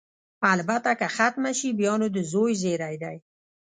البته که ختمه شي، بیا نو د زوی زېری دی.